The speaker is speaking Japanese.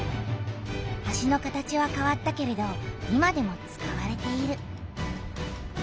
橋の形はかわったけれど今でも使われている。